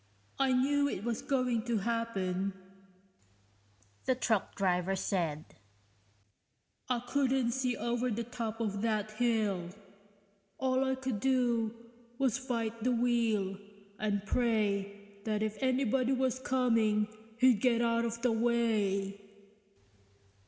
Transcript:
"I knew it was going to happen," the truck driver said, "I couldn't see over the top of that hill. All I could do was fight the wheel and pray that if anybody was coming, he'd get out of the way."